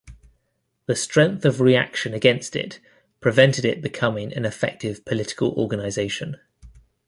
The strength of reaction against it prevented it becoming an effective political organisation.